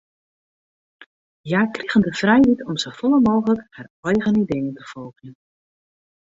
Hja krigen de frijheid om safolle mooglik har eigen ideeën te folgjen.